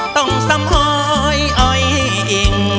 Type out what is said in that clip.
ต้องสำหอยอ้อยอิ่ง